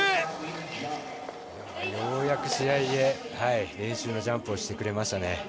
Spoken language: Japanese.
ようやく試合で練習のジャンプをしてくれましたね。